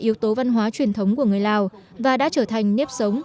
yếu tố văn hóa truyền thống của người lào và đã trở thành nếp sống